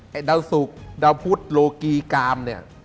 เหดัสุคเดาพุทรโหกีกาม